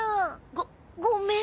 ごごめん。